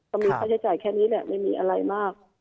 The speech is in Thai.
มีค่าใช้จ่ายแค่นี้แหละไม่มีอะไรมาก